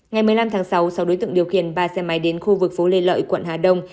ngày một mươi năm tháng sáu sau đối tượng điều khiển ba xe máy đến khu vực phố lê lợi quận hà đông